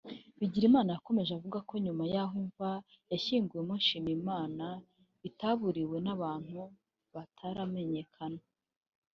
Bigirimana yakomeje avuga ko nyuma yaho imva yashyinguwemo Nshimiyimina itabururiwe n’abantu bataramenyekana